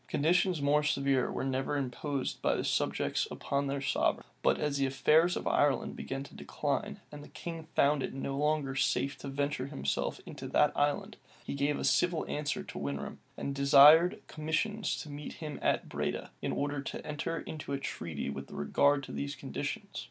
Conditions more severe were never imposed by subjects upon their sovereign; but as the affairs of Ireland began to decline, and the king found it no longer safe to venture himself in that island, he gave a civil answer to Winram, and desired commissioners to meet him at Breda, in order to enter into a treaty with regard to these conditions.